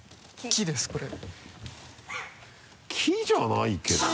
木じゃないけどな。